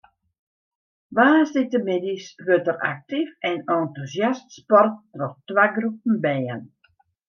Woansdeitemiddeis wurdt der aktyf en entûsjast sport troch twa groepen bern.